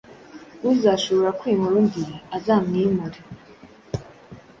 uzashobora kwimura undi azamwimure,